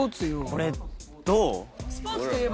これどう？